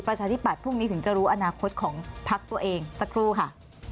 ประชาธิบัตย์พรุ่งนี้ถึงจะรู้อนาคตของพักตัวเองสักครู่ค่ะ